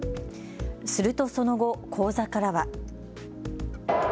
するとその後、口座からは。